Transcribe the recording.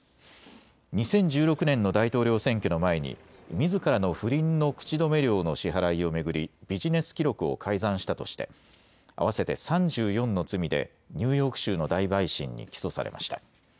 ２０１６年の大統領選挙の前にみずからの不倫の口止め料の支払いを巡りビジネス記録を改ざんしたとして合わせて３４の罪でニューヨーク州の大陪審に起訴されました。